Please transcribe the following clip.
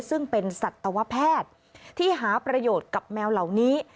ซึ่งเป็นสัตวแพทย์ที่หาประโยชน์กับแมวเหล่านี้